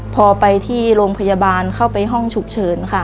พอไปที่โรงพยาบาลเข้าไปห้องฉุกเฉินค่ะ